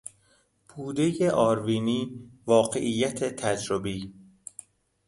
بودهی آروینی، واقعیت تجربی